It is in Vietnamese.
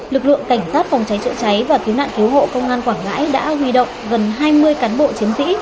lực lượng cảnh sát phòng cháy chữa cháy và cứu nạn cứu hộ công an quảng ngãi đã huy động gần hai mươi cán bộ chiến sĩ